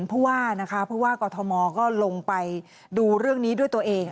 เพราะว่ากอทมก็ลงไปดูเรื่องนี้ด้วยตัวเอง